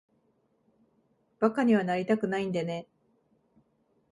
馬鹿にはなりたくないんでね。